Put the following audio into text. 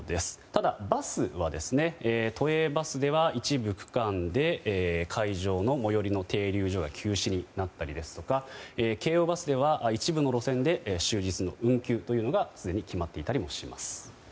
ただ、バスは都営バスでは一部区間で会場の最寄りの停留所が休止になったりですとか京王バスでは一部の路線で終日運休がすでに決まっていたりもします。